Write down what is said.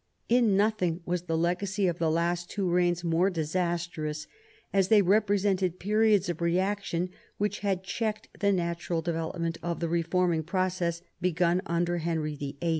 In nothing was the legacy of the last two reigns more disastrous, as they represented periods of reaction which had checked the natural development of the reforming pro cess begun under Henry VIII.